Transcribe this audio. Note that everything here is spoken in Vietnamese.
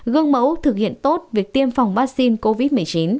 gương mẫu thực hiện tốt việc tiêm phòng vaccine covid một mươi chín